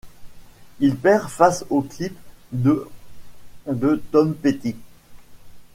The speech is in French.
Il perd face au clip de ' de Tom Petty.